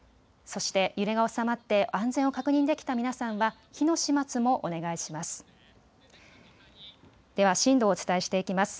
そして揺れが収まって安全を確認できた皆さんは火の始末もお願いします。